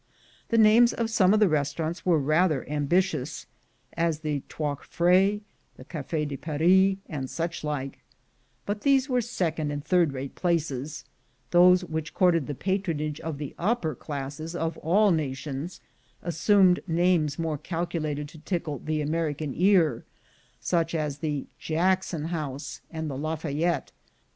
The names of some of the restaurants were rather ambitious — as the Trois LIFE AT HIGH SPEED 81 Freres, the Cafe de Paris, and suchlike; but these were second and third rate places ; those which courted the patronage of the upper classes of all nations, as sumed names more calculated to tickle the American ear, — such as the Jackson House and the Lafayette.